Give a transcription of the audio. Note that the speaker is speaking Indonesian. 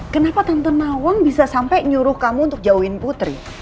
kenapa tanton nawang bisa sampai nyuruh kamu untuk jauhin putri